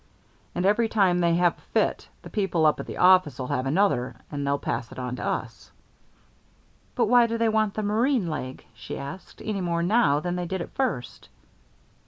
And every time they have a fit, the people up at the office'll have another, and they'll pass it on to us." "But why do they want the marine leg?" she asked, "any more now than they did at first?"